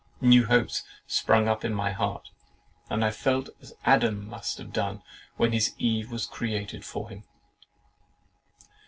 New hopes sprung up in my heart, and I felt as Adam must have done when his Eve was created for him!"